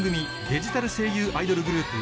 デジタル声優アイドルグループ